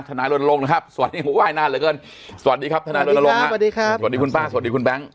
ธนายรณรงค์นะครับสวัสดีครับธนายรณรงค์สวัสดีครับสวัสดีคุณป้าสวัสดีคุณแบงค์